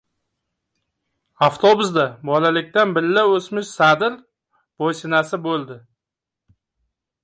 Avtobusda bolalikdan billa o‘smish Sadir bo‘yinsasi bo‘ldi.